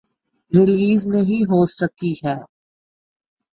Release نہیں ہوسکی ہیں۔